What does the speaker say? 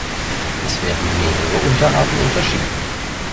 Es werden mehrere Unterarten unterschieden:.